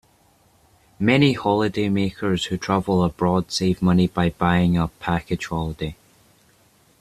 Many holidaymakers who travel abroad save money by buying a package holiday